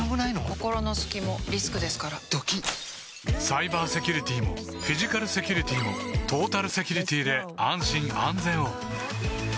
心の隙もリスクですからドキッサイバーセキュリティもフィジカルセキュリティもトータルセキュリティで安心・安全を